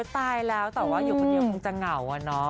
ตายแล้วแต่ว่าอยู่คนเดียวคงจะเหงาอะเนาะ